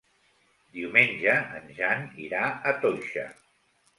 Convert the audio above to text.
Diumenge en Jan irà a Toixa.